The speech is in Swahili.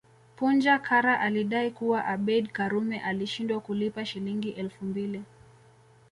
Punja Kara alidai kuwa Abeid Karume alishindwa kulipa Shilingi elfu mbili